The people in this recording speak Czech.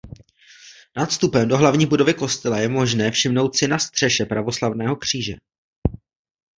Nad vstupem do hlavní budovy kostela je možné všimnout si na střeše pravoslavného kříže.